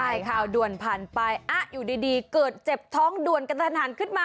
ใช่ค่ะด่วนผ่านไปอยู่ดีเกิดเจ็บท้องด่วนกระทันหันขึ้นมา